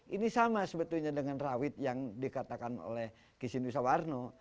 ini sama sebetulnya dengan rawit yang dikatakan oleh kissindu sawarno